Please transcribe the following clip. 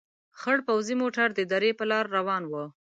خړ پوځي موټر د درې په لار روان ول.